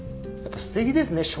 すてきですね。